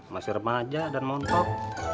masih remaja dan montok